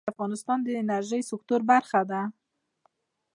منی د افغانستان د انرژۍ سکتور برخه ده.